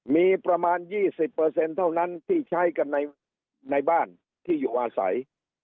มีประมาณ๒๐เท่านั้นที่ใช้กันในบ้านที่อยู่อาศัย